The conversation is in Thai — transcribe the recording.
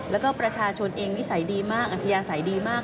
แล้วก็ประชาชนเองนิสัยดีมากอัธยาศัยดีมาก